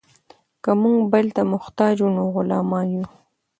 که موږ بل ته محتاج وو نو غلامان یو.